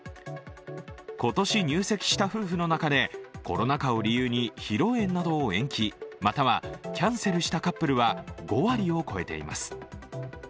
今年入籍した夫婦の中でコロナ禍を理由に披露宴などを延期、またはキャンセルしたカップルは５割を超えています。